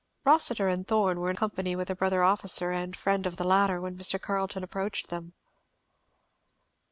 Rossitur and Thorn were in company with a brother officer and friend of the latter when Mr. Carleton approached them.